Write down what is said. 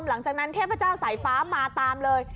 หลังจากนั้นเทพเจ้าสายฟ้ามาตามเลย